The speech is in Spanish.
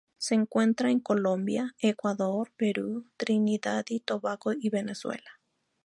Se encuentra en Colombia, Ecuador, Perú, Trinidad y Tobago y Venezuela.